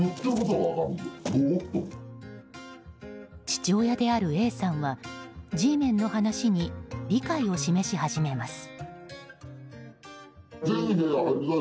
父親であるＡさんはＧメンの話に理解を示し始めます。